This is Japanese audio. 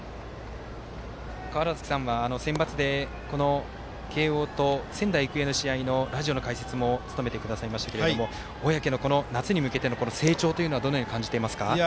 川原崎さんはセンバツで慶応と仙台育英の試合のラジオの解説も務めてくださいましたけれども小宅の夏に向けての成長はどのように感じていますか？